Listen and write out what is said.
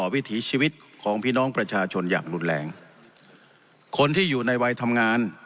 วิถีชีวิตของพี่น้องประชาชนอย่างรุนแรงคนที่อยู่ในวัยทำงาน